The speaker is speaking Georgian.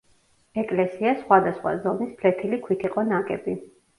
ეკლესია სხვადასხვა ზომის ფლეთილი ქვით იყო ნაგები.